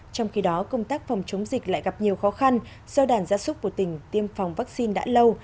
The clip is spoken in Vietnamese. trong khi đó công tác phòng chống dịch lại gặp nhiều khó khăn do đàn gia súc của tỉnh tiêm phòng vaccine đã lâu